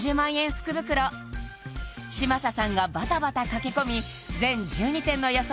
福袋嶋佐さんがバタバタ駆け込み全１２点の予想